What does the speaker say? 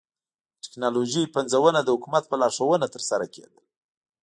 د ټکنالوژۍ پنځونه د حکومت په لارښوونه ترسره کېدل